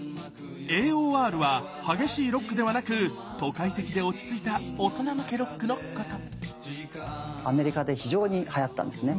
ＡＯＲは激しいロックではなく都会的で落ち着いた大人向けロックのことアメリカで非常にはやったんですね。